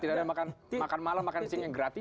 tidak ada makan malam makan siang yang gratis